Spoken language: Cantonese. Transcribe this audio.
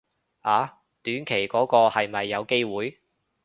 啊短期嗰個係咪有機會